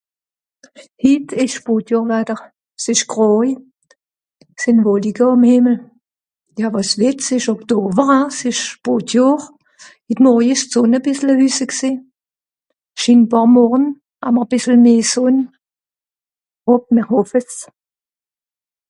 hit esch spàtjohrwatter s'esch grauj sìn vollige àm hìmmel jà wàs wìt s'esch oktover hein s'esch spàtjohr hit morje esch d'sonn à bìssel à hüsse gsé schinbàr morn hammr à bìssel mehr sonn hop mr hòff'es